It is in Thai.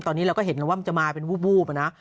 ตอนนี้เราก็เห็นแล้วว่ามันจะมาเป็นวูบนะ